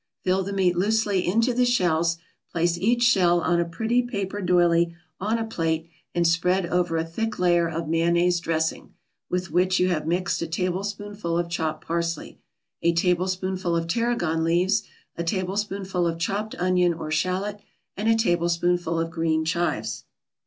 Fill the meat loosely into the shells, place each shell on a pretty paper doily on a plate, and spread over a thick layer of mayonnaise dressing, with which you have mixed a tablespoonful of chopped parsley, a tablespoonful of tarragon leaves, a tablespoonful of chopped onion or shallot, and a tablespoonful of green chives.